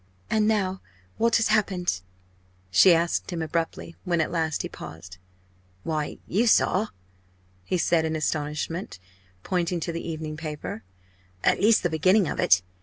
"And now what has happened?" she asked him abruptly, when at last he paused. "Why, you saw!" he said in astonishment, pointing to the evening paper "at least the beginning of it.